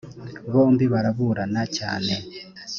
bombi baraburana cyane